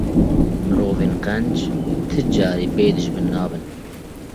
Mirovên qenc ti carî bêdijmin nabin.